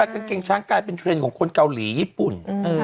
กางเกงช้างกลายเป็นเทรนด์ของคนเกาหลีญี่ปุ่น